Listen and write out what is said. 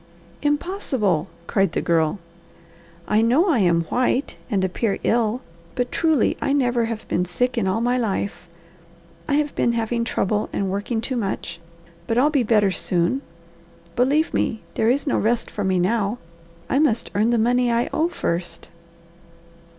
"Impossible!" cried the Girl. "I know I am white and appear ill, but truly I never have been sick in all my life. I have been having trouble and working too much, but I'll be better soon. Believe me, there is no rest for me now. I must earn the money I owe first."